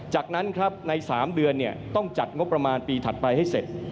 จากนั้นครับใน๓เดือนต้องจัดงบประมาณปีถัดไปให้เสร็จ